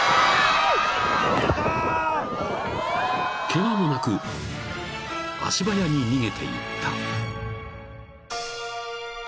［ケガもなく足早に逃げていった］